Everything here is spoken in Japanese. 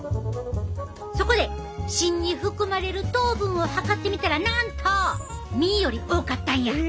そこで芯に含まれる糖分を測ってみたらなんと実より多かったんや！